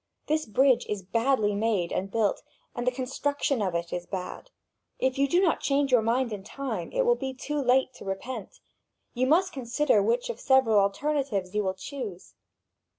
This bridge is badly made and built, and the construction of it is bad. If you do not change your mind in time, it will be too late to repent. You must consider which of several alternatives you will choose.